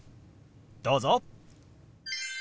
どうぞ。